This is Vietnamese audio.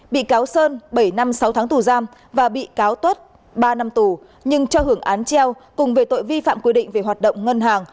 bị cáo sơn bảy năm sáu tháng tù giam và bị cáo tuất ba năm tù nhưng cho hưởng án treo cùng về tội vi phạm quy định về hoạt động ngân hàng